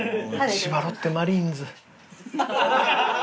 千葉ロッテマリーンズ。